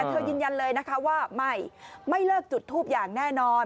แต่เธอยินยันเลยนะคะว่าไม่ไม่เลิกจุดทูปอย่างแน่นอน